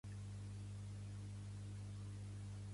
Ha anat a veure Puigdemont a Waterloo?